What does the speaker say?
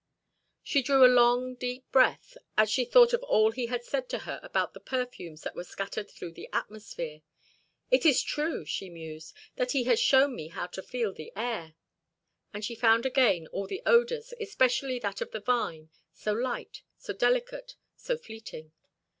She drew a long, deep breath, as she thought of all he had said to her about the perfumes that were scattered through the atmosphere. "It is true," she mused, "that he has shown me how to feel the air." And she found again all the odors, especially that of the vine, so light, so delicate, so fleeting.